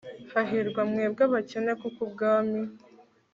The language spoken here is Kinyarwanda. hahirwa mwebwe abakene kuko ubwami